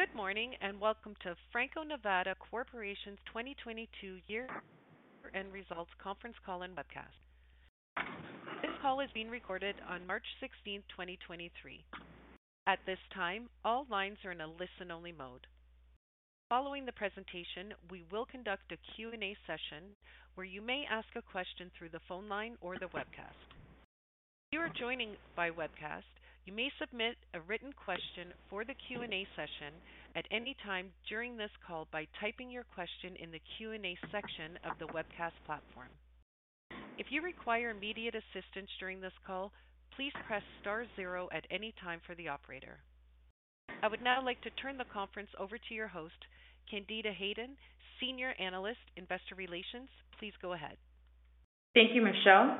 Good morning, and welcome to Franco-Nevada Corporation's 2022 year-end results conference call and webcast. This call is being recorded on March 16th, 2023. At this time, all lines are in a listen-only mode. Following the presentation, we will conduct a Q&A session where you may ask a question through the phone line or the webcast. If you are joining by webcast, you may submit a written question for the Q&A session at any time during this call by typing your question in the Q&A section of the webcast platform. If you require immediate assistance during this call, please press star zero at any time for the operator. I would now like to turn the conference over to your host, Candida Hayden, Senior Analyst, Investor Relations. Please go ahead. Thank you, Michelle.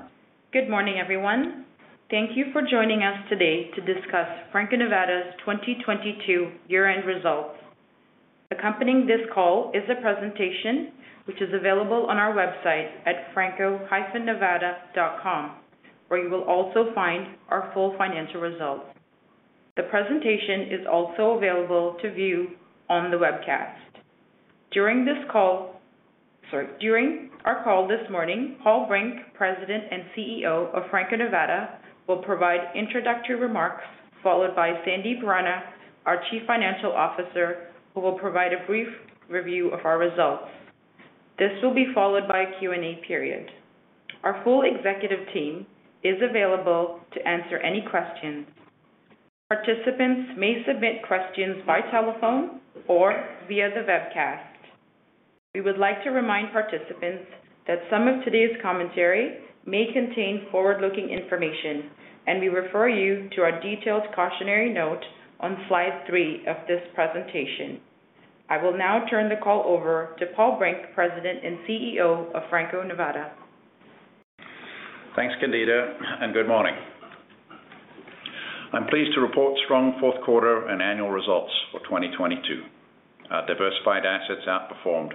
Good morning, everyone. Thank you for joining us today to discuss Franco-Nevada's 2022 year-end results. Accompanying this call is a presentation which is available on our website at franco-nevada.com, where you will also find our full financial results. The presentation is also available to view on the webcast. During our call this morning, Paul Brink, President and CEO of Franco-Nevada, will provide introductory remarks, followed by Sandip Rana, our Chief Financial Officer, who will provide a brief review of our results. This will be followed by a Q&A period. Our full executive team is available to answer any questions. Participants may submit questions by telephone or via the webcast. We would like to remind participants that some of today's commentary may contain forward-looking information, and we refer you to our detailed cautionary note on slide three of this presentation. I will now turn the call over to Paul Brink, President and CEO of Franco-Nevada. Thanks, Candida, and good morning. I'm pleased to report strong fourth quarter and annual results for 2022. Our diversified assets outperformed,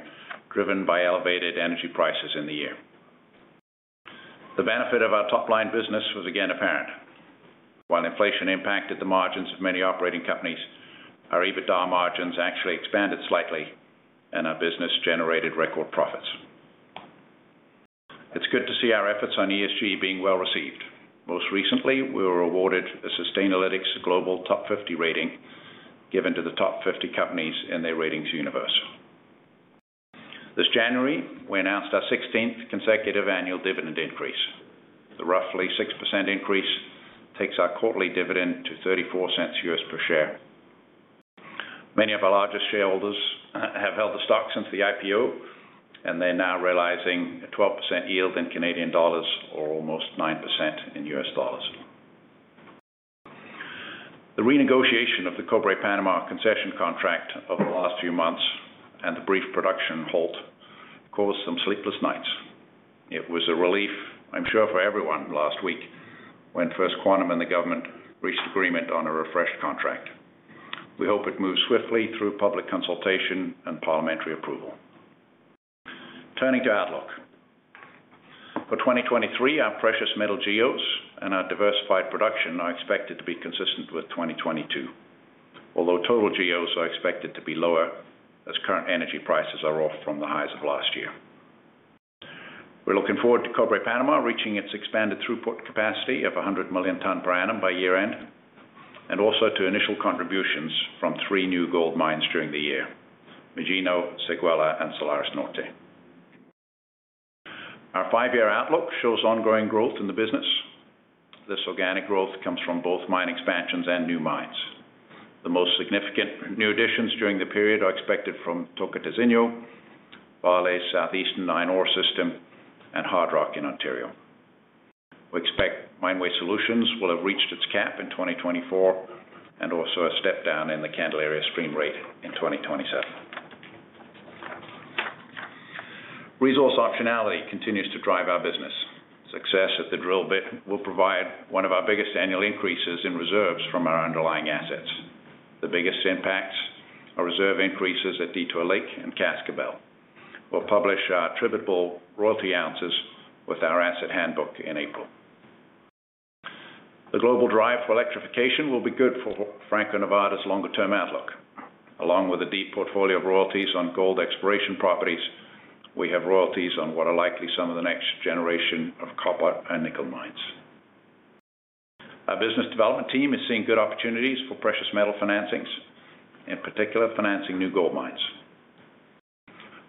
driven by elevated energy prices in the year. The benefit of our top-line business was again apparent. While inflation impacted the margins of many operating companies, our EBITDA margins actually expanded slightly, and our business generated record profits. It's good to see our efforts on ESG being well-received. Most recently, we were awarded a Sustainalytics Global Top 50 rating given to the top 50 companies in their ratings universe. This January, we announced our 16th consecutive annual dividend increase. The roughly 6% increase takes our quarterly dividend to $0.34 per share. Many of our largest shareholders have held the stock since the IPO, and they're now realizing a 12% yield in Canadian dollars or almost 9% in U.S. dollars. The renegotiation of the Cobre Panamá concession contract over the last few months and the brief production halt caused some sleepless nights. It was a relief, I'm sure for everyone last week when First Quantum and the government reached agreement on a refreshed contract. We hope it moves swiftly through public consultation and parliamentary approval. Turning to outlook. For 2023, our precious metal GEOs and our diversified production are expected to be consistent with 2022. Although total GEOs are expected to be lower as current energy prices are off from the highs of last year. We're looking forward to Cobre Panamá reaching its expanded throughput capacity of 100 million ton per annum by year-end, and also to initial contributions from three new gold mines during the year, Magino, Séguéla, and Salares Norte. Our five-year outlook shows ongoing growth in the business. This organic growth comes from both mine expansions and new mines. The most significant new additions during the period are expected from Tocantinzinho, Vale's Southeastern Iron Ore System, and Hardrock in Ontario. We expect Mine Waste Solutions will have reached its cap in 2024 and also a step-down in the Candelaria stream rate in 2027. Resource optionality continues to drive our business. Success at the drill bit will provide one of our biggest annual increases in reserves from our underlying assets. The biggest impacts are reserve increases at Detour Lake and Cascabel. We'll publish our attributable royalty ounces with our asset handbook in April. The global drive for electrification will be good for Franco-Nevada's longer-term outlook. Along with a deep portfolio of royalties on gold exploration properties, we have royalties on what are likely some of the next generation of copper and nickel mines. Our business development team is seeing good opportunities for precious metal financings, in particular financing new gold mines.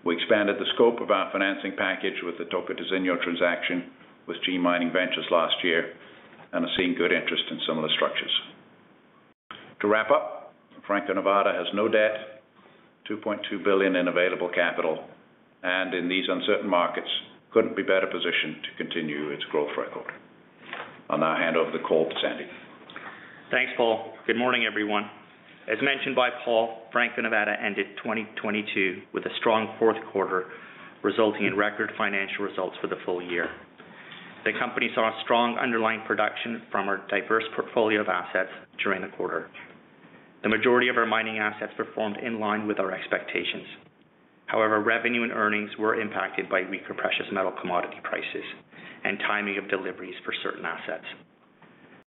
We expanded the scope of our financing package with the Tocantinzinho transaction with G Mining Ventures last year and are seeing good interest in similar structures. To wrap up, Franco-Nevada has no debt, $2.2 billion in available capital, and in these uncertain markets, couldn't be better positioned to continue its growth record. I'll now hand over the call to Sandip. Thanks, Paul. Good morning, everyone. As mentioned by Paul, Franco-Nevada ended 2022 with a strong fourth quarter, resulting in record financial results for the full year. The company saw strong underlying production from our diverse portfolio of assets during the quarter. The majority of our mining assets performed in line with our expectations. However, revenue and earnings were impacted by weaker precious metal commodity prices and timing of deliveries for certain assets.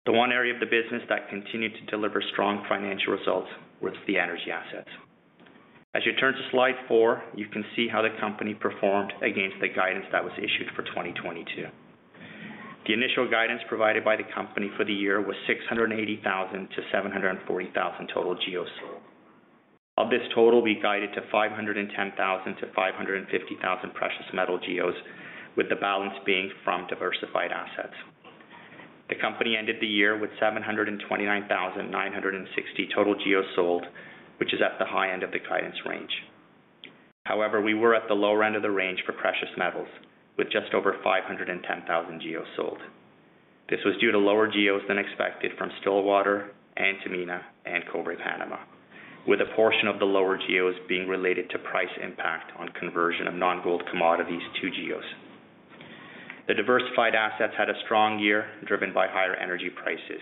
The one area of the business that continued to deliver strong financial results was the energy assets. As you turn to slide four, you can see how the company performed against the guidance that was issued for 2022. The initial guidance provided by the company for the year was 680,000-740,000 Total GEOs sold. Of this total, we guided to 510,000-550,000 precious metal GEOs, with the balance being from diversified assets. The company ended the year with 729,960 Total GEOs sold, which is at the high end of the guidance range. However, we were at the lower end of the range for precious metals with just over 510,000 GEOs sold. This was due to lower GEOs than expected from Stillwater, Antamina, and Cobre Panamá, with a portion of the lower GEOs being related to price impact on conversion of non-gold commodities to GEOs. The diversified assets had a strong year, driven by higher energy prices.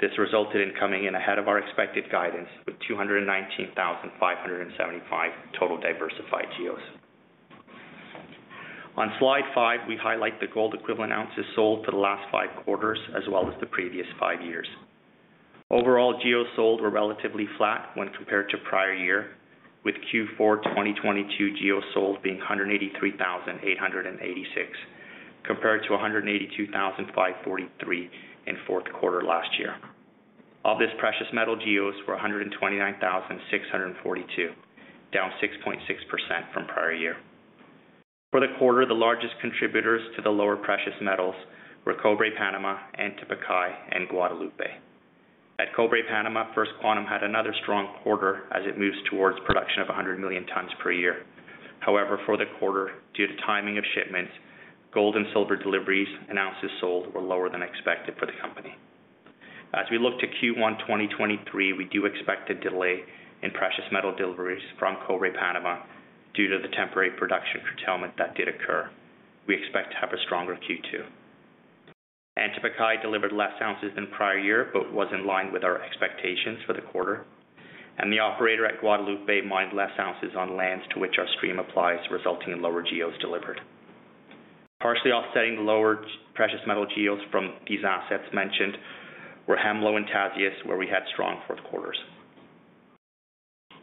This resulted in coming in ahead of our expected guidance with 219,575 total diversified GEOs. On slide five, we highlight the Gold Equivalent Ounces sold for the last five quarters as well as the previous five years. Overall, GEOs sold were relatively flat when compared to prior year, with Q4 2022 GEOs sold being 183,886, compared to 182,543 in fourth quarter last year. Of this, precious metal GEOs were 129,642, down 6.6% from prior year. For the quarter, the largest contributors to the lower precious metals were Cobre Panamá, Antamina, and Guadalupe. At Cobre Panamá, First Quantum had another strong quarter as it moves towards production of 100 million tons per year. However, for the quarter, due to timing of shipments, gold and silver deliveries and ounces sold were lower than expected for the company. As we look to Q1 2023, we do expect a delay in precious metal deliveries from Cobre Panamá due to the temporary production curtailment that did occur. We expect to have a stronger Q2. Antamina delivered less ounces than prior year, but was in line with our expectations for the quarter. The operator at Guadalupe mined less ounces on lands to which our stream applies, resulting in lower GEOs delivered. Partially offsetting the lower precious metal GEOs from these assets mentioned were Hemlo and Tasiast, where we had strong fourth quarters.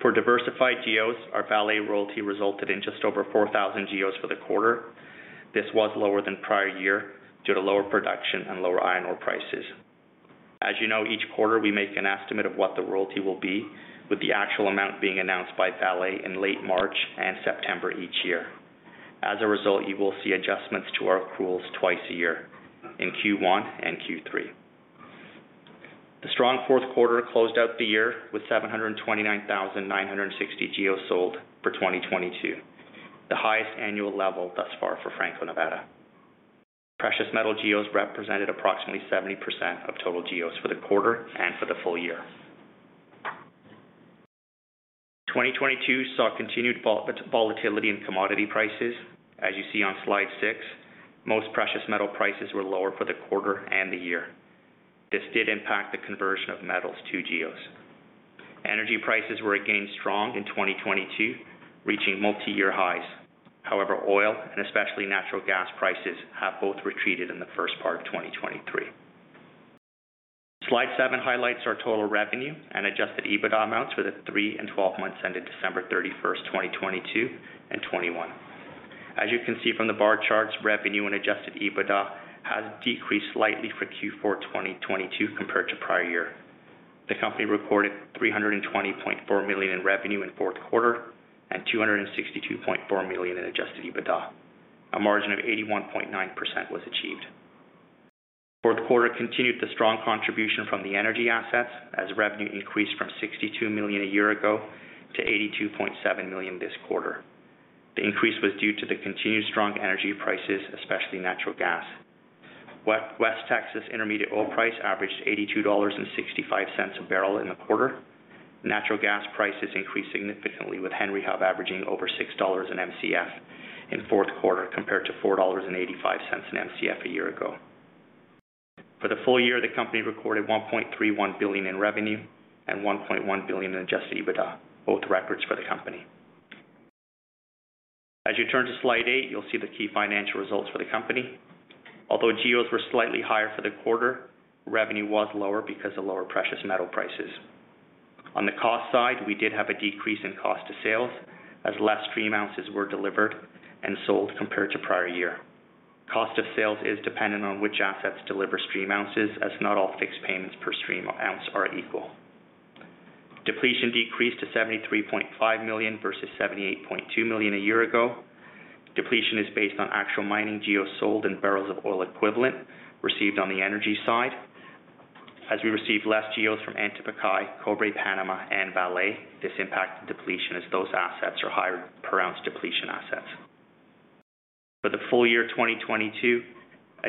For diversified GEOs, our Vale royalty resulted in just over 4,000 GEOs for the quarter. This was lower than prior year due to lower production and lower iron ore prices. As you know, each quarter we make an estimate of what the royalty will be, with the actual amount being announced by Vale in late March and September each year. As a result, you will see adjustments to our accruals twice a year in Q1 and Q3. The strong fourth quarter closed out the year with 729,960 GEOs sold for 2022, the highest annual level thus far for Franco-Nevada. Precious metal GEOs represented approximately 70% of total GEOs for the quarter and for the full year. 2022 saw continued volatility in commodity prices. As you see on slide six, most precious metal prices were lower for the quarter and the year. This did impact the conversion of metals to GEOs. Energy prices were again strong in 2022, reaching multi-year highs. However, oil and especially natural gas prices have both retreated in the first part of 2023. Slide seven highlights our total revenue and adjusted EBITDA amounts for the three and 12 months ended December 31st, 2022, and 2021. As you can see from the bar charts, revenue and adjusted EBITDA has decreased slightly for Q4 2022 compared to prior year. The company recorded $320.4 million in revenue in fourth quarter and $262.4 million in adjusted EBITDA. A margin of 81.9% was achieved. Fourth quarter continued the strong contribution from the energy assets as revenue increased from $62 million a year ago to $82.7 million this quarter. The increase was due to the continued strong energy prices, especially natural gas. West Texas Intermediate oil price averaged $82.65 a barrel in the quarter. Natural gas prices increased significantly, with Henry Hub averaging over $6 in MCF in fourth quarter compared to $4.85 in MCF a year ago. For the full year, the company recorded $1.31 billion in revenue and $1.1 billion in adjusted EBITDA, both records for the company. As you turn to slide eight, you'll see the key financial results for the company. Although GEOs were slightly higher for the quarter, revenue was lower because of lower precious metal prices. On the cost side, we did have a decrease in cost to sales as less stream ounces were delivered and sold compared to prior year. Cost of sales is dependent on which assets deliver stream ounces as not all fixed payments per stream ounce are equal. Depletion decreased to $73.5 million versus $78.2 million a year ago. Depletion is based on actual mining GEOs sold in barrels of oil equivalent received on the energy side. As we received less GEOs from Antamina, Cobre Panamá and Vale, this impacted depletion as those assets are higher per ounce depletion assets. For the full year 2022,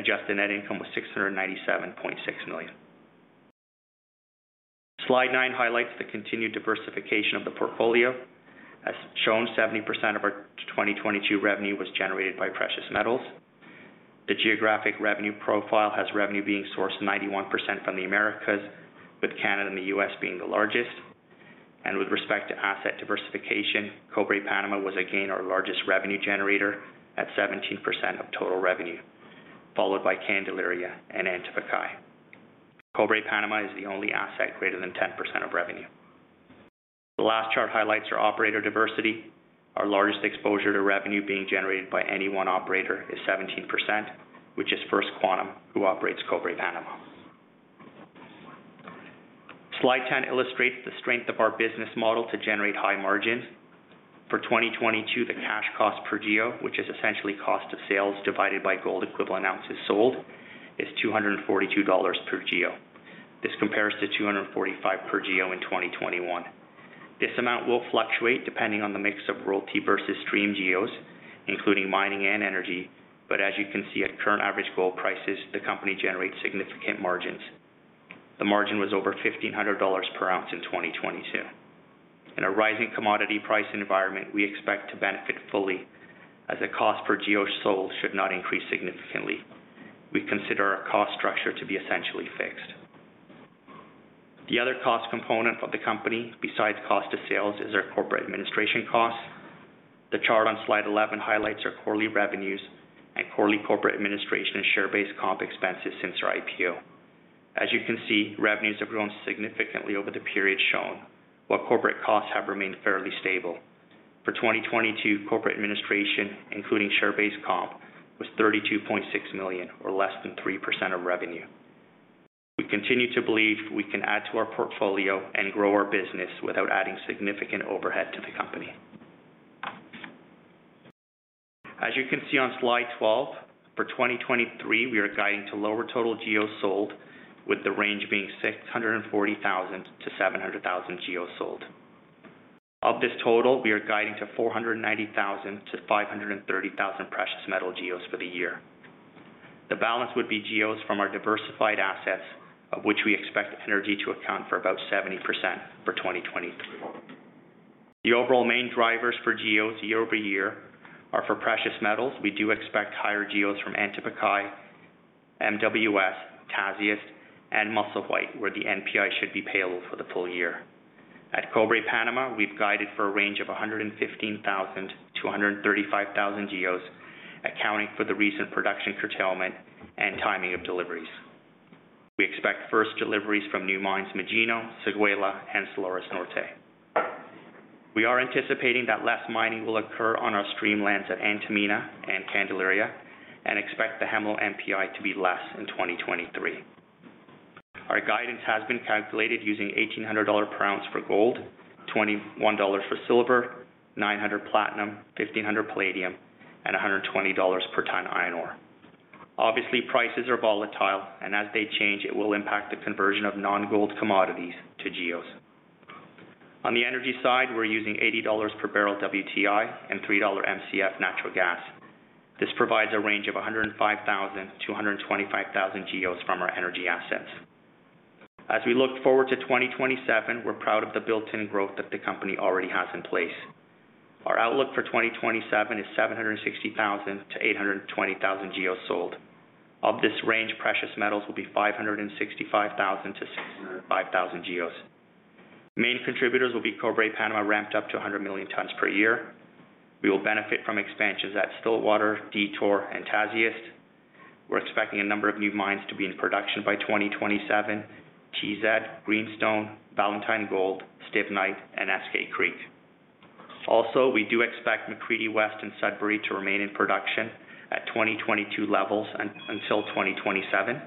adjusted net income was $697.6 million. Slide nine highlights the continued diversification of the portfolio. As shown, 70% of our 2022 revenue was generated by precious metals. The geographic revenue profile has revenue being sourced 91% from the Americas, with Canada and the U.S. being the largest. With respect to asset diversification, Cobre Panamá was again our largest revenue generator at 17% of total revenue, followed by Candelaria and Antapaccay. Cobre Panamá is the only asset greater than 10% of revenue. The last chart highlights our operator diversity. Our largest exposure to revenue being generated by any one operator is 17%, which is First Quantum, who operates Cobre Panamá. Slide 10 illustrates the strength of our business model to generate high margins. For 2022, the cash cost per GEO, which is essentially cost of sales divided by Gold Equivalent Ounces sold, is $242 per GEO. This compares to $245 per GEO in 2021. This amount will fluctuate depending on the mix of royalty versus stream GEOs, including mining and energy. As you can see at current average gold prices, the company generates significant margins. The margin was over $1,500 per ounce in 2022. In a rising commodity price environment, we expect to benefit fully as the cost per GEO sold should not increase significantly. We consider our cost structure to be essentially fixed. The other cost component for the company, besides cost of sales, is our corporate administration costs. The chart on slide 11 highlights our quarterly revenues and quarterly corporate administration and share-based comp expenses since our IPO. As you can see, revenues have grown significantly over the period shown, while corporate costs have remained fairly stable. For 2022, corporate administration, including share-based comp, was $32.6 million, or less than 3% of revenue. We continue to believe we can add to our portfolio and grow our business without adding significant overhead to the company. As you can see on slide 12, for 2023, we are guiding to lower Total GEOs sold, with the range being 640,000-700,000 GEOs sold. Of this total, we are guiding to 490,000-530,000 precious metal GEOs for the year. The balance would be GEOs from our diversified assets, of which we expect energy to account for about 70% for 2023. The overall main drivers for GEOs year-over-year are for precious metals. We do expect higher GEOs from Antapaccay, MWS, Tasiast, and Musselwhite, where the NPI should be payable for the full year. At Cobre Panamá, we've guided for a range of 115,000-135,000 GEOs, accounting for the recent production curtailment and timing of deliveries. We expect first deliveries from new mines Magino, Séguéla, and Salares Norte. We are anticipating that less mining will occur on our stream lands at Antamina and Candelaria, and expect the Hemlo NPI to be less in 2023. Our guidance has been calculated using $1,800 per ounce for gold, $21 for silver, $900 platinum, $1,500 palladium, and $120 per ton iron ore. Obviously, prices are volatile, and as they change, it will impact the conversion of non-gold commodities to GEOs. On the energy side, we're using $80 per barrel WTI and $3 MCF natural gas. This provides a range of 105,000-125,000 GEOs from our energy assets. As we look forward to 2027, we're proud of the built-in growth that the company already has in place. Our outlook for 2027 is 760,000-820,000 GEOs sold. Of this range, precious metals will be 565,000-605,000 GEOs. Main contributors will be Cobre Panamá ramped up to 100 million tons per year. We will benefit from expansions at Stillwater, Detour, and Tasiast. We're expecting a number of new mines to be in production by 2027, Chiizad, Greenstone, Valentine Gold, Stibnite, and Eskay Creek. We do expect McCreedy West and Sudbury to remain in production at 2022 levels until 2027.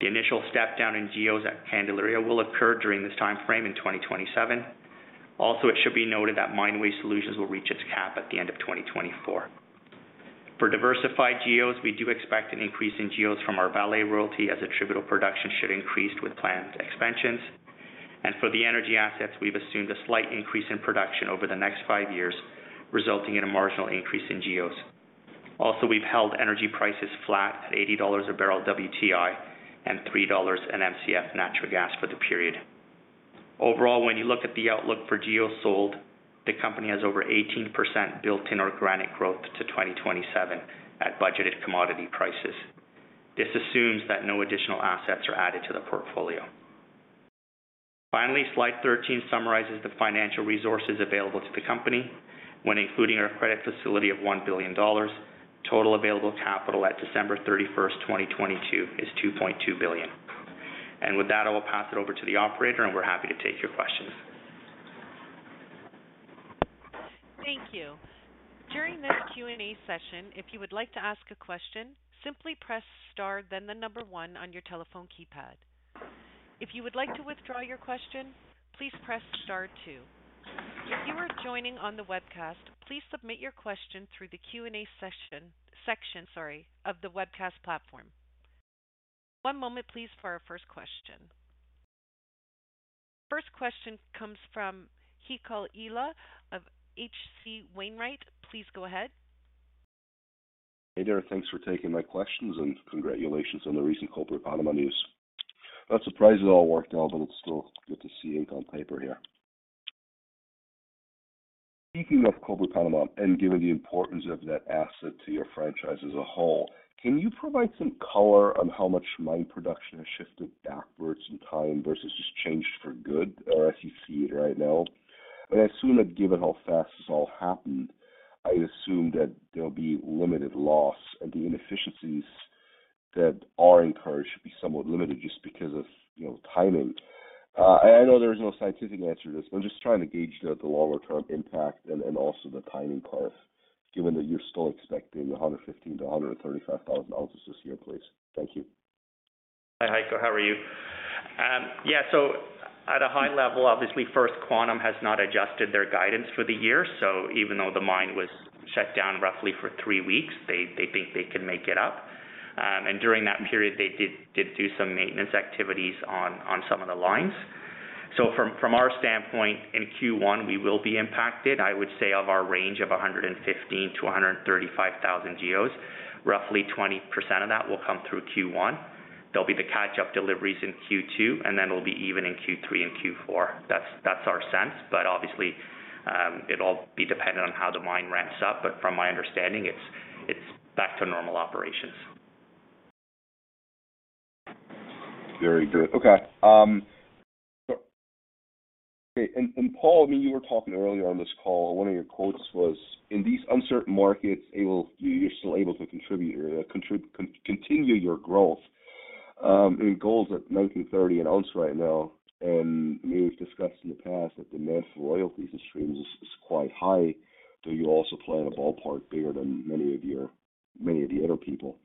The initial step down in GEOs at Candelaria will occur during this time frame in 2027. It should be noted that Mine Waste Solutions will reach its cap at the end of 2024. For diversified GEOs, we do expect an increase in GEOs from our Vale royalty as attributable production should increase with planned expansions. For the energy assets, we've assumed a slight increase in production over the next five years, resulting in a marginal increase in GEOs. We've held energy prices flat at $80 a barrel WTI and $3 an MCF natural gas for the period. Overall, when you look at the outlook for GEOs sold, the company has over 18% built-in organic growth to 2027 at budgeted commodity prices. This assumes that no additional assets are added to the portfolio. Slide 13 summarizes the financial resources available to the company when including our credit facility of $1 billion. Total available capital at December 31st, 2022 is $2.2 billion. With that, I will pass it over to the operator, and we're happy to take your questions. Thank you. During this Q&A session, if you would like to ask a question, simply press star one on your telephone keypad. If you would like to withdraw your question, please press star two. If you are joining on the webcast, please submit your question through the Q&A section of the webcast platform. One moment please for our first question. First question comes from Heiko Ihle of H.C. Wainwright. Please go ahead. Hey there. Thanks for taking my questions and congratulations on the recent Cobre Panamá news. Not surprised it all worked out, but it's still good to see ink on paper here. Speaking of Cobre Panamá and given the importance of that asset to your franchise as a whole, can you provide some color on how much mine production has shifted backwards in time versus just changed for good or as you see it right now? I assume that given how fast this all happened, I assume that there'll be limited loss, and the inefficiencies that are encouraged should be somewhat limited just because of, you know, timing. I know there is no scientific answer to this, but I'm just trying to gauge the longer term impact and also the timing part, given that you're still expecting 115,000-135,000 ounces this year, please. Thank you. Hi, Heiko. How are you? Yeah. At a high level, obviously, First Quantum has not adjusted their guidance for the year. Even though the mine was shut down roughly for three weeks, they think they can make it up. During that period, they did do some maintenance activities on some of the lines. From our standpoint, in Q1, we will be impacted. I would say of our range of 115,000-135,000 GEOs, roughly 20% of that will come through Q1. There'll be the catch-up deliveries in Q2, and then it'll be even in Q3 and Q4. That's our sense. Obviously, it'll be dependent on how the mine ramps up. From my understanding, it's back to normal operations. Very good. Okay. Okay. Paul, I mean, you were talking earlier on this call, one of your quotes was, "In these uncertain markets, you're still able to contribute or continue your growth." Gold's at $1,930 an ounce right now, we've discussed in the past that the demand for royalties and streams is quite high, though you also play in a ballpark bigger than many of your, many of the other people.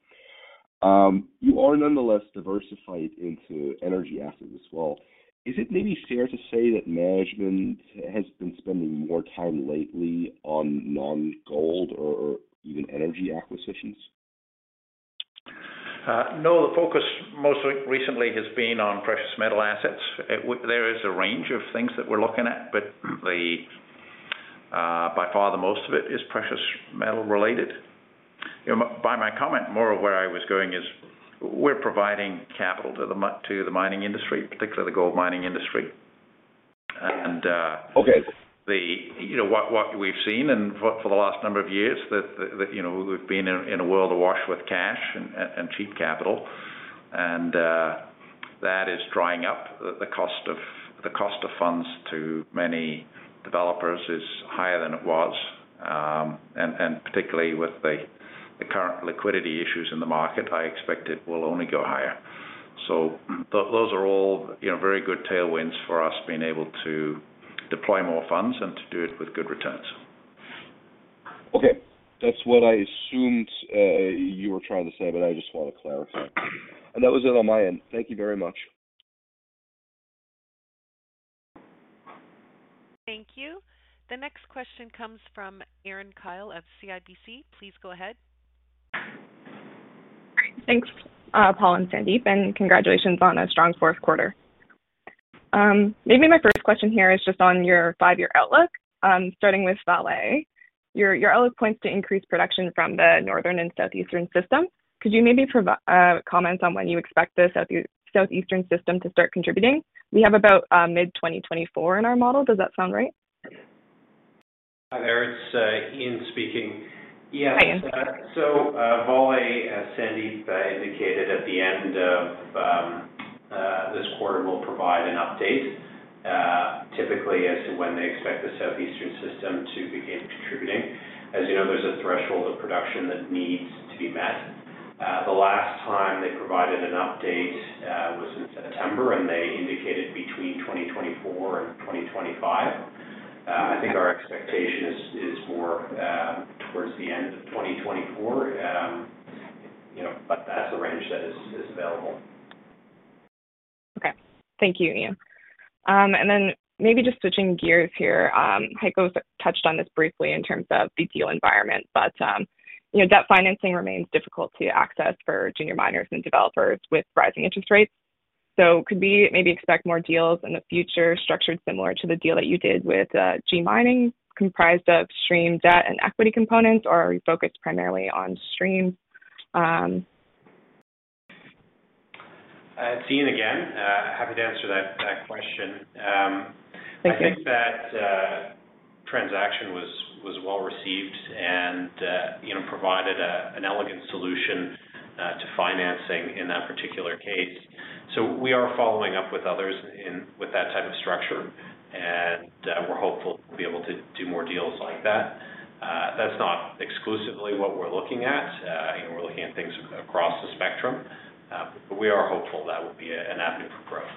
You are nonetheless diversified into energy assets as well. Is it maybe fair to say that management has been spending more time lately on non-gold or even energy acquisitions? No, the focus mostly recently has been on precious metal assets. There is a range of things that we're looking at, but the by far the most of it is precious metal related. You know, by my comment, more of where I was going is we're providing capital to the mining industry, particularly the gold mining industry and what we've seen for the last number of years that, you know, we've been in a world awash with cash and cheap capital. That is drying up. The cost of funds to many developers is higher than it was. Particularly with the current liquidity issues in the market, I expect it will only go higher. Those are all, you know, very good tailwinds for us being able to deploy more funds and to do it with good returns. Okay. That's what I assumed, you were trying to say, but I just want to clarify. That was it on my end. Thank you very much. Thank you. The next question comes from Erin Kyle of CIBC. Please go ahead. Great. Thanks, Paul and Sandip, congratulations on a strong fourth quarter. Maybe my first question here is just on your five-year outlook, starting with Vale. Your outlook points to increased production from the Northern and Southeastern system. Could you maybe comment on when you expect this Southeastern system to start contributing? We have about mid-2024 in our model. Does that sound right? Hi there. It's Euan speaking. Yeah. Hi, Euan. Vale, as Sandip indicated at the end of this quarter, will provide an update typically as to when they expect the Southeastern system to begin contributing. As there's a threshold of production that needs to be met. The last time they provided an update was in September, and they indicated between 2024 and 2025. I think our expectation is for towards the end of 2024. But that's the range that is available. Okay. Thank you, Euan. Maybe just switching gears here, Heiko touched on this briefly in terms of the deal environment, but, you know, debt financing remains difficult to access for junior miners and developers with rising interest rates. Could we maybe expect more deals in the future structured similar to the deal that you did with G Mining comprised of stream debt and equity components, or are we focused primarily on stream? It's Euan again. Happy to answer that question. Thank you. I think that transaction was well-received and, you know, provided an elegant solution to financing in that particular case. We are following up with others with that type of structure, and, we're hopeful we'll be able to do more deals like that. That's not exclusively what we're looking at. You know, we're looking at things across the spectrum. We are hopeful that will be an avenue for growth.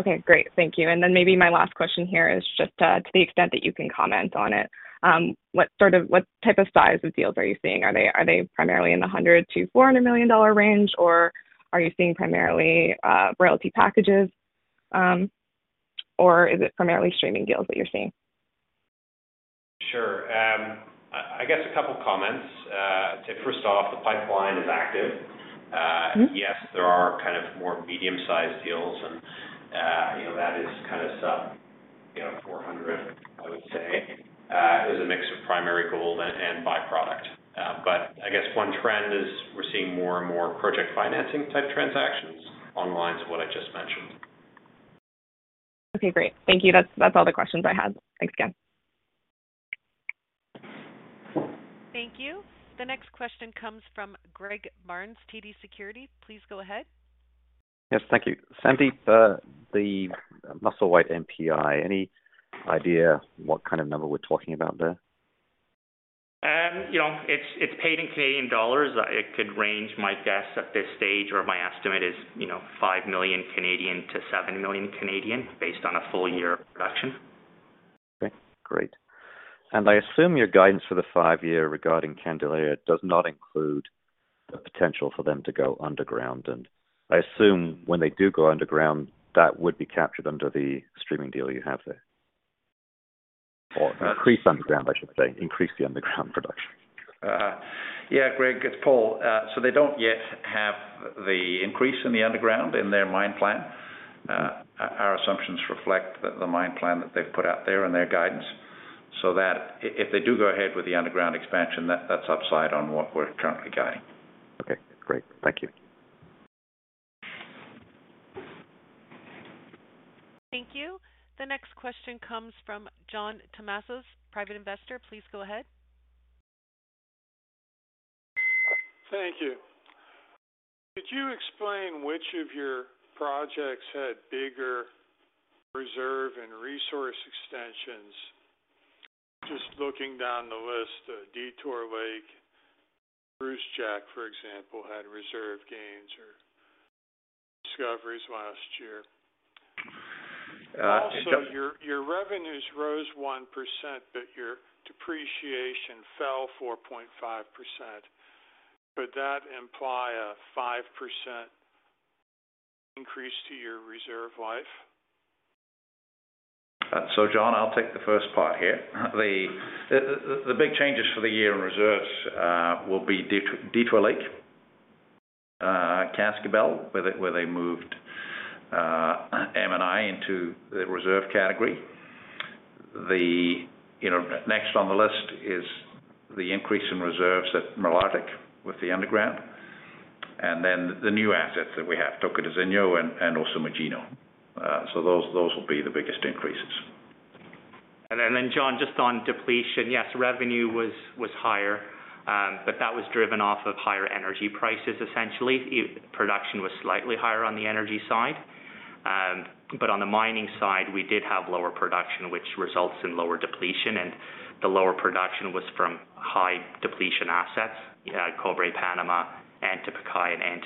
Okay, great. Thank you. Then maybe my last question here is just to the extent that you can comment on it, what type of size of deals are you seeing? Are they primarily in the $100 million-$400 million range, or are you seeing primarily royalty packages, or is it primarily streaming deals that you're seeing? Sure. I guess a couple comments. First off, the pipeline is active. Mm-hmm. Yes, there are kind of more medium-sized deals and, you know, that is kind of sub, you know, $400, million I would say. It was a mix of primary gold and by-product. I guess one trend is we're seeing more and more project financing type transactions. On lines of what I just mentioned. Okay, great. Thank you. That's all the questions I had. Thanks again. Thank you. The next question comes from Greg Barnes, TD Securities, please go ahead. Yes, thank you. Sandip, the Musselwhite NPI, any idea what kind of number we're talking about there? You know, it's paid in Canadian dollars. It could range, my guess at this stage or my estimate is, you know, 5 million-7 million based on a full year of production. Okay, great. I assume your guidance for the five-year regarding Candelaria does not include the potential for them to go underground. I assume when they do go underground, that would be captured under the streaming deal you have there. Increase underground, I should say, increase the underground production. Yeah, Greg, it's Paul. They don't yet have the increase in the underground in their mine plan. Our assumptions reflect the mine plan that they've put out there in their guidance. That if they do go ahead with the underground expansion, that's upside on what we're currently guiding. Okay, great. Thank you. Thank you. The next question comes from John Tumazos, Private Investor. Please go ahead. Thank you. Could you explain which of your projects had bigger reserve and resource extensions? Just looking down the list, Detour Lake, Brucejack, for example, had reserve gains or discoveries last year. it does- Your revenues rose 1%, but your depreciation fell 4.5%. Could that imply a 5% increase to your reserve life? John, I'll take the first part here. The big changes for the year in reserves will be Detour Lake, Cascabel, where they moved M&I into the reserve category. You know, next on the list is the increase in reserves at Malartic with the underground, and then the new assets that we have, Tocantinzinho and also Magino. Those will be the biggest increases. John, just on depletion, yes, revenue was higher, that was driven off of higher energy prices, essentially. Production was slightly higher on the energy side. On the mining side, we did have lower production, which results in lower depletion. The lower production was from high depletion assets at Cobre Panamá, Antapaccay and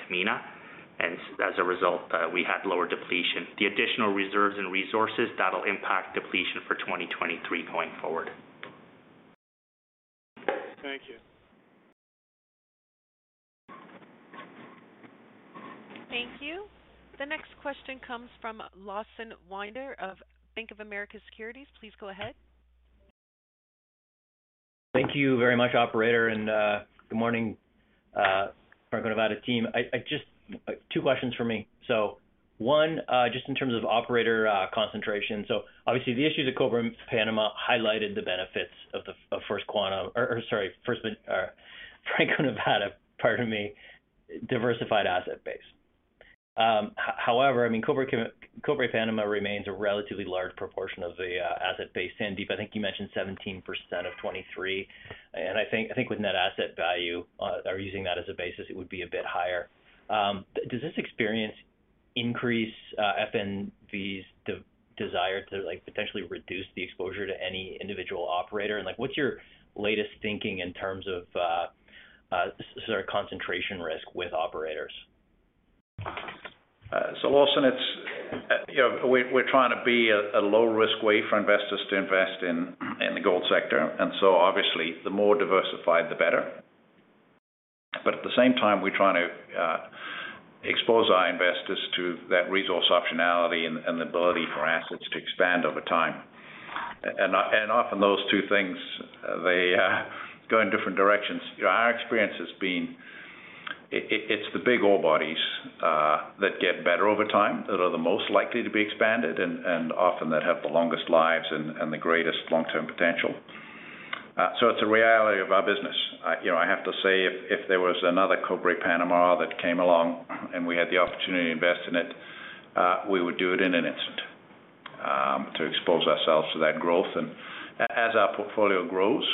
Antamina. As a result, we had lower depletion. The additional reserves and resources, that'll impact depletion for 2023 going forward. Thank you. Thank you. The next question comes from Lawson Winder of Bank of America Securities. Please go ahead. Thank you very much, operator. Good morning, Franco-Nevada team. Two questions from me. One, just in terms of operator concentration. Obviously the issues at Cobre Panamá highlighted the benefits of First Quantum or sorry, Franco-Nevada, pardon me, diversified asset base. However, I mean, Cobre Panamá remains a relatively large proportion of the asset base. Sandip, I think you mentioned 17% of 23, and I think with net asset value or using that as a basis, it would be a bit higher. Does this experience increase FNV's desire to, like, potentially reduce the exposure to any individual operator? Like, what's your latest thinking in terms of sort of concentration risk with operators? Lawson it's, you know, we're trying to be a low risk way for investors to invest in the gold sector. Obviously the more diversified, the better. At the same time, we're trying to expose our investors to that resource optionality and the ability for assets to expand over time. Often those two things, they go in different directions. Our experience has been it's the big ore bodies that get better over time that are the most likely to be expanded and often that have the longest lives and the greatest long-term potential. It's a reality of our business. I, you know, I have to say if there was another Cobre Panamá that came along and we had the opportunity to invest in it, we would do it in an instant, to expose ourselves to that growth. As our portfolio grows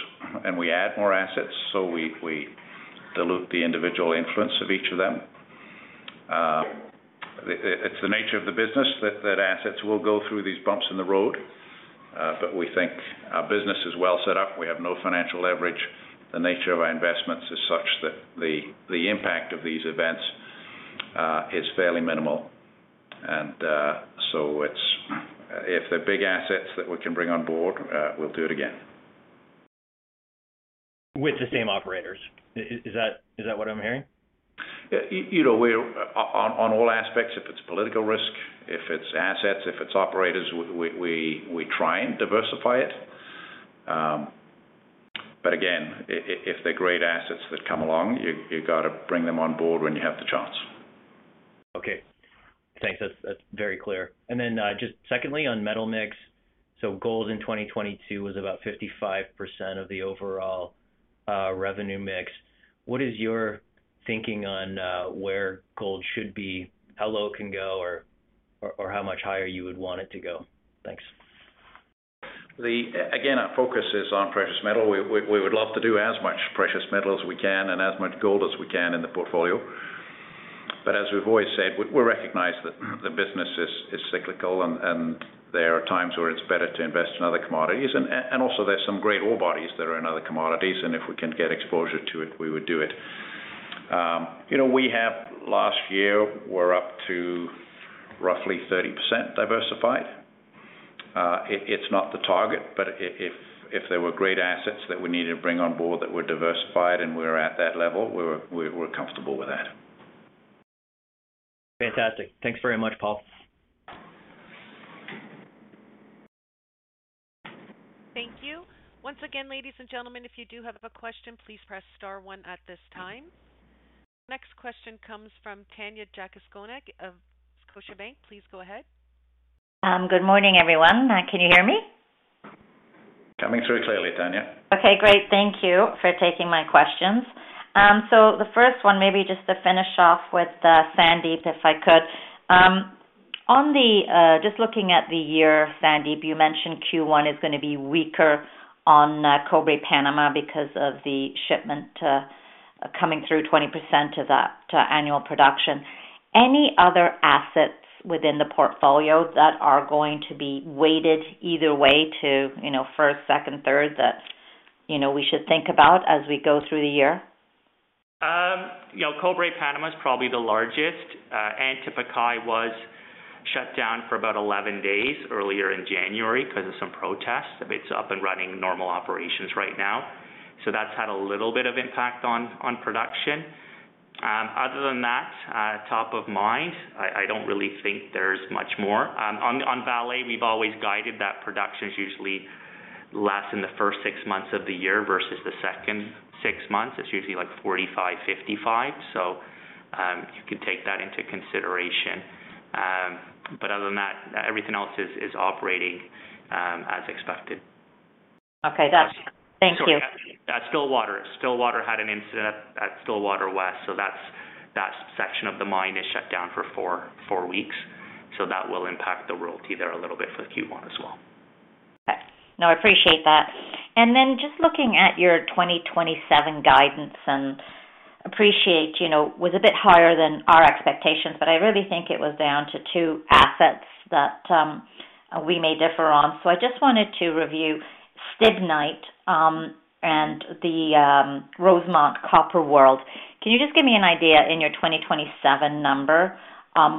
and we add more assets, we dilute the individual influence of each of them. The, it's the nature of the business that assets will go through these bumps in the road, but we think our business is well set up. We have no financial leverage. The nature of our investments is such that the impact of these events is fairly minimal. So it's if they're big assets that we can bring on board, we'll do it again. With the same operators. Is that what I'm hearing? You know, we're on all aspects, if it's political risk, if it's assets, if it's operators, we try and diversify it. Again, if they're great assets that come along, you got to bring them on board when you have the chance. Okay. Thanks. That's very clear. Just secondly on metal mix. Gold in 2022 was about 55% of the overall, revenue mix. What is your thinking on, where gold should be, how low it can go or, how much higher you would want it to go? Thanks. Our focus is on precious metal. We would love to do as much precious metal as we can and as much gold as we can in the portfolio. As we've always said, we recognize that the business is cyclical and there are times where it's better to invest in other commodities. Also there's some great ore bodies that are in other commodities, and if we can get exposure to it, we would do it. You know, we have last year, we're up to roughly 30% diversified. It's not the target, if there were great assets that we need to bring on board that were diversified and we're at that level, we're comfortable with that. Fantastic. Thanks very much, Paul. Thank you. Once again, ladies and gentlemen, if you do have a question, please press star one at this time. Next question comes from Tanya Jakusconek of Scotiabank. Please go ahead. Good morning, everyone. Can you hear me? Coming through clearly, Tanya. Okay, great. Thank you for taking my questions. The first one, maybe just to finish off with Sandip, if I could. Just looking at the year, Sandip, you mentioned Q1 is gonna be weaker on Cobre Panamá because of the shipment coming through 20% of that annual production. Any other assets within the portfolio that are going to be weighted either way to, you know, first, second, third that, you know, we should think about as we go through the year? You know, Cobre Panamá is probably the largest. Antamina was shut down for about 11 days earlier in January 'cause of some protests. It's up and running normal operations right now. That's had a little bit of impact on production. Other than that, top of mind, I don't really think there's much more. On Vale, we've always guided that production's usually less in the first six months of the year versus the second six months. It's usually like 45%, 55%. You can take that into consideration. Other than that, everything else is operating, as expected. Okay. That's. Thank you. Sorry. At Stillwater. Stillwater had an incident at Stillwater West. That section of the mine is shut down for four weeks. That will impact the royalty there a little bit for Q1 as well. Okay. No, I appreciate that. Just looking at your 2027 guidance and appreciate, you know, was a bit higher than our expectations, but I really think it was down to two assets that we may differ on. I just wanted to review Stibnite and the Rosemont Copper World. Can you just give me an idea in your 2027 number, I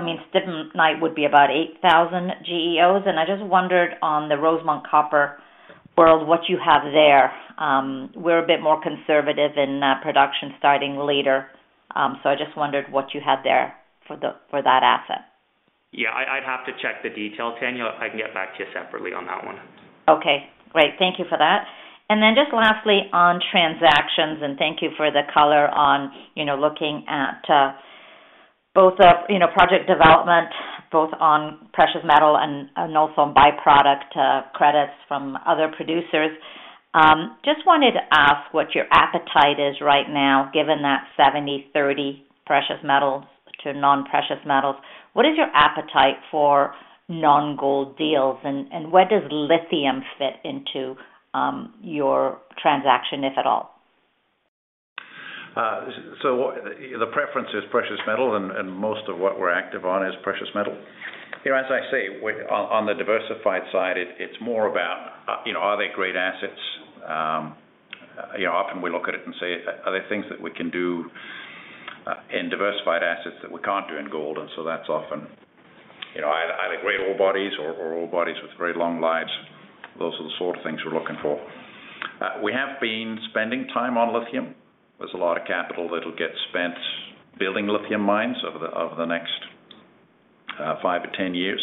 mean, Stibnite would be about 8,000 GEOs, and I just wondered on the Rosemont Copper World, what you have there? We're a bit more conservative in production starting later. I just wondered what you had there for that asset. Yeah. I'd have to check the detail, Tanya. If I can get back to you separately on that one. Okay, great. Thank you for that. Just lastly, on transactions, and thank you for the color on, you know, looking at, both of, you know, project development, both on precious metal and also on byproduct, credits from other producers. Just wanted to ask what your appetite is right now, given that 70/30 precious metals to non-precious metals. What is your appetite for non-gold deals? Where does lithium fit into your transaction, if at all? The preference is precious metal, and most of what we're active on is precious metal. You know, as I say, on the diversified side, it's more about, you know, are they great assets? You know, often we look at it and say, are there things that we can do in diversified assets that we can't do in gold? That's often. You know, either great ore bodies or ore bodies with very long lives, those are the sort of things we're looking for. We have been spending time on lithium. There's a lot of capital that'll get spent building lithium mines over the next 5-10 years.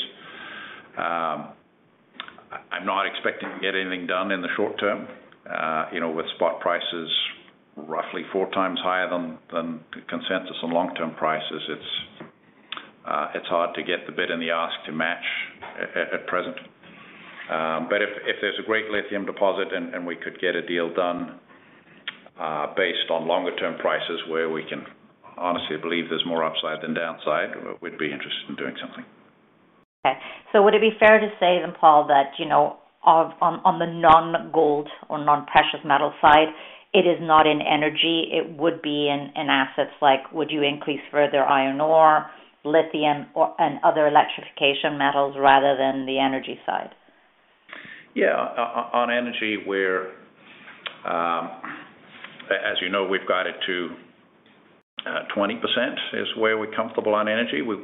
I'm not expecting to get anything done in the short term. You know, with spot prices roughly 4x higher than consensus on long-term prices, it's hard to get the bid and the ask to match at present. If there's a great lithium deposit and we could get a deal done, based on longer term prices where we can honestly believe there's more upside than downside, we'd be interested in doing something. Okay. Would it be fair to say then, Paul, that, you know, on the non-gold or non-precious metal side, it is not in energy, it would be in assets like would you increase further iron ore, lithium, and other electrification metals rather than the energy side? Yeah. On energy, we're as you know, we've got it to 20% is where we're comfortable on energy. We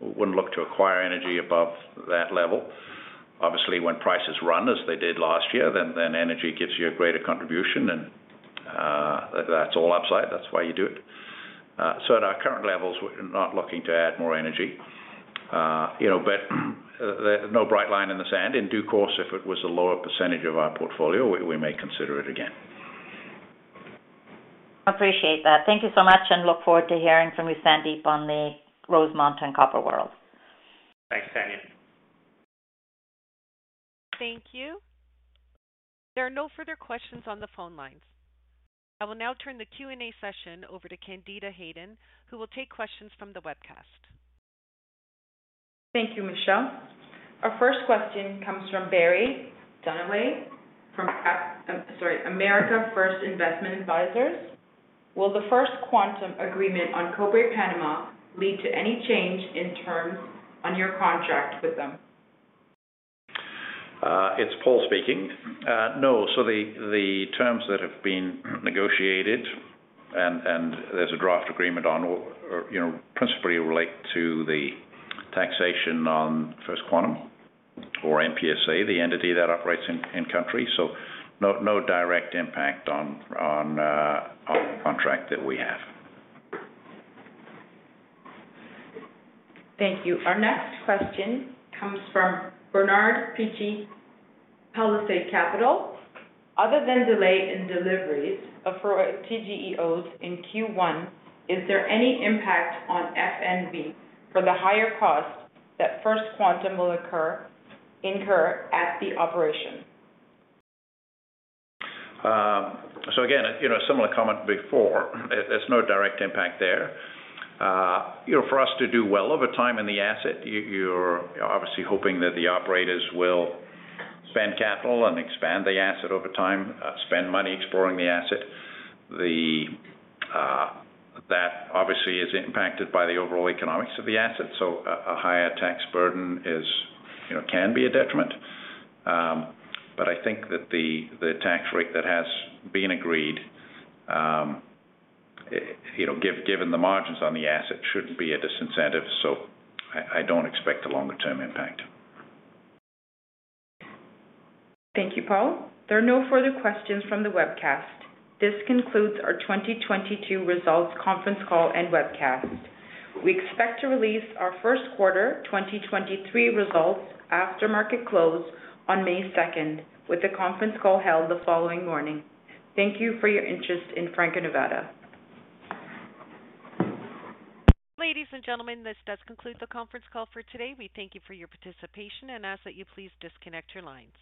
wouldn't look to acquire energy above that level. Obviously, when prices run as they did last year, then energy gives you a greater contribution and that's all upside. That's why you do it. At our current levels, we're not looking to add more energy. You know, no bright line in the sand. In due course, if it was a lower percentage of our portfolio, we may consider it again. Appreciate that. Thank you so much and look forward to hearing from you, Sandip, on the Rosemont and Copper World. Thanks, Tanya. Thank you. There are no further questions on the phone lines. I will now turn the Q&A session over to Candida Hayden, who will take questions from the webcast. Thank you, Michelle. Our first question comes from Barry Dunaway from sorry, America First Investment Advisors. Will the First Quantum agreement on Cobre Panamá lead to any change in terms on your contract with them? It's Paul speaking. No. The terms that have been negotiated and there's a draft agreement on, or, you know, principally relate to the taxation on First Quantum or MPSA, the entity that operates in country. No direct impact on the contract that we have. Thank you. Our next question comes from Bernard Picchi, Palisade Capital. Other than delay in deliveries of TGEOs in Q1, is there any impact on FNV for the higher cost that First Quantum will incur at the operation? Again, you know, similar comment before, there's no direct impact there. You know, for us to do well over time in the asset, you're obviously hoping that the operators will spend capital and expand the asset over time, spend money exploring the asset. The... That obviously is impacted by the overall economics of the asset. A higher tax burden is, you know, can be a detriment. I think that the tax rate that has been agreed, you know, given the margins on the asset, shouldn't be a disincentive, so I don't expect a longer term impact. Thank you, Paul. There are no further questions from the webcast. This concludes our 2022 results conference call and webcast. We expect to release our first quarter 2023 results after market close on May 2nd, with the conference call held the following morning. Thank you for your interest in Franco-Nevada. Ladies and gentlemen, this does conclude the conference call for today. We thank you for your participation and ask that you please disconnect your lines.